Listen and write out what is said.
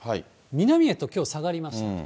南へときょう下がりました。